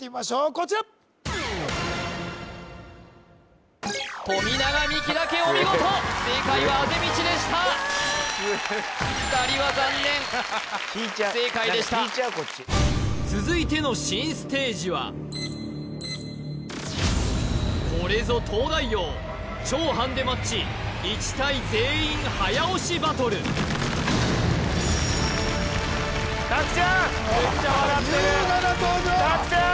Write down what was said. こちら富永美樹だけお見事正解はあぜみちでしたやった２人は残念不正解でした続いての新ステージはこれぞ「東大王」超ハンデマッチ拓ちゃん・めっちゃ笑ってる優雅な登場拓ちゃん・